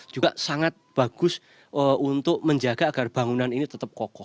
juga sangat bagus untuk menjaga agar bangunan ini tetap kokoh